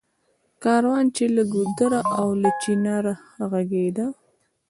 کاروان چــــې له ګـــــودره او له چنار غـــږېده